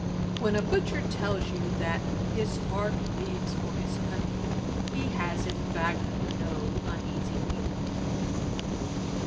When a butcher tells you that his heart bleeds for his country, he has, in fact, no uneasy feeling.'